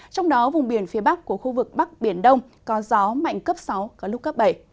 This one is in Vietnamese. trong đó vùng biển phía bắc của khu vực bắc biển đông có gió mạnh cấp sáu có lúc cấp bảy